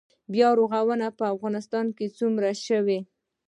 بیا رغونه په افغانستان کې څومره شوې؟